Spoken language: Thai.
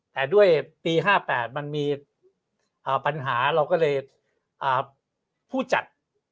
แต่ด้วยปี๕๘มันมีปัญหาเราก็เลยผู้จัด